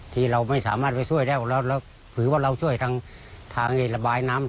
ที่เราไม่สามารถไปช่วยได้แล้วเราถือว่าเราช่วยทางระบายน้ำ